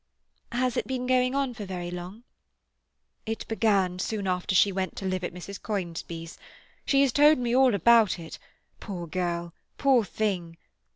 "Has it been going on for very long?" "It began soon after she went to live at Mrs. Conisbee's. She has told me all about it—poor girl, poor thing!